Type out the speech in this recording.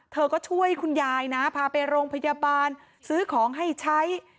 เธอก็ช่วยคุณยายนะพาไปโรงพยาบาลซื้อของให้ใช้